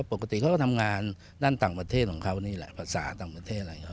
ปกติเขาก็ทำงานด้านต่างประเทศของเขานี่แหละภาษาต่างประเทศอะไรเขา